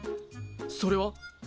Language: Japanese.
それは？